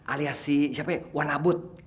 alias si siapa wanabut